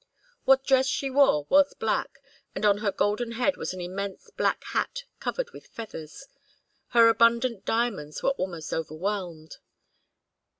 What dress she wore was black, and on her golden head was an immense black hat covered with feathers. Her abundant diamonds were almost overwhelmed.